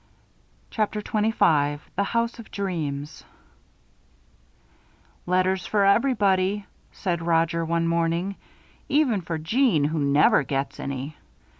CHAPTER XXV THE HOUSE OF DREAMS "Letters for everybody," said Roger, one morning; "even for Jeanne who never gets any.